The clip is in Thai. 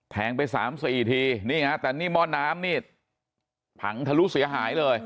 แทงไป๓๐อีกทีเนี่ยไงฮะแต่นี่มอธ์น้ำเนี่ยผังทะลูกเสียหายเลย